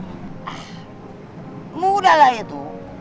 ah mudah lah itu